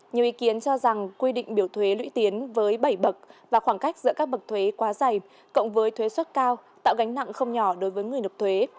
nhiều ý kiến cho rằng quy định biểu thuế lũy tiến với bảy bậc và khoảng cách giữa các bậc thuế quá dày cộng với thuế xuất cao tạo gánh nặng không nhỏ đối với người nộp thuế